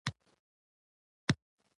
د خلکو غږ چوپ کول ستونزې نه حلوي